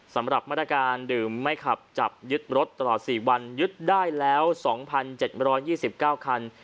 สำหรับมาตรการดื่มไม่ขับจับยึดรถตลอด๔วันยึดได้แล้ว๒๗๒๙คัน